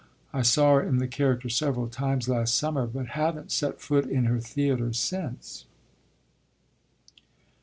I saw her in the character several times last summer, but haven't set foot in her theatre since."